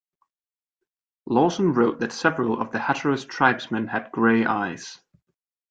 Lawson wrote that several of the Hatteras tribesmen had gray eyes.